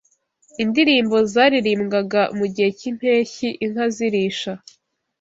indirimbo zaririmbwaga mu gihe cy’impeshyi inka zirisha